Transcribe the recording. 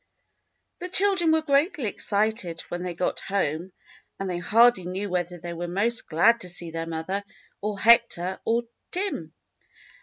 The children were greatly excited when they got home, and they hardly knew whether they were most glad to see their mother or Hector or Tim.